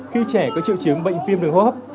khi trẻ có triệu chứng bệnh viêm đường hô hấp